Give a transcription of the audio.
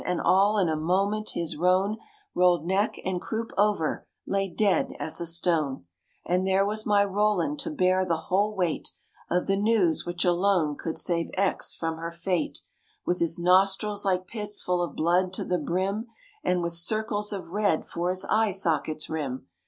and all in a moment his roan Rolled neck and croup over, lay dead as a stone; And there was my Roland to bear the whole weight Of the news, which alone could save Aix from her fate, With his nostrils like pits full of blood to the brim, And with circles of red for his eye sockets' rim.